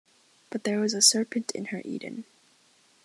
But there was a serpent in her Eden.